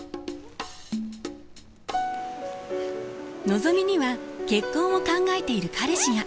のぞみには結婚を考えている彼氏が。